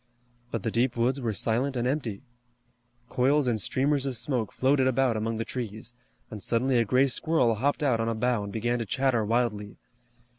But the deep woods were silent and empty. Coils and streamers of smoke floated about among the trees, and suddenly a gray squirrel hopped out on a bough and began to chatter wildly.